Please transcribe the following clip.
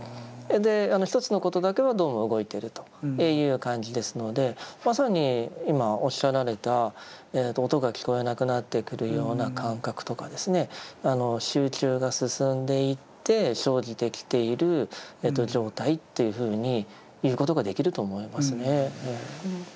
で一つのことだけはどうも動いてるという感じですのでまさに今おっしゃられた音が聞こえなくなってくるような感覚とか集中が進んでいって生じてきている状態というふうに言うことができると思いますね。